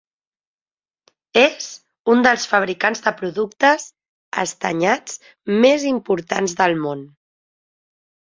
És un dels fabricants de productes estanyats més importants del món.